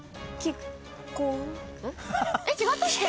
えっ違ったっけ？